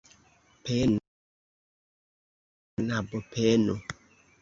Penu rememori, kara knabo, penu.